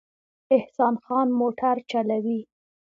احسان خان موټر چلوي